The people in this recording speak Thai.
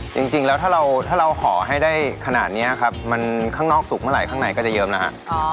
จริงแล้วถ้าเราห่อให้ได้ขนาดนี้ครับมันข้างนอกสุกเมื่อไหร่ข้างในก็จะเยิ้มนะฮะ